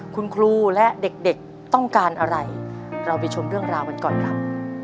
คุณครูและเด็กต้องการอะไรเราไปชมเรื่องราวกันก่อนครับ